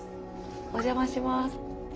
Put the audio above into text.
お邪魔します。